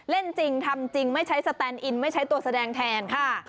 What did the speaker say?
เล่นจริงทำจริงไม่ใช้สแตนอินไม่ใช้ตัวแสดงแทนค่ะ